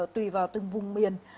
tùy vào từng vùng biển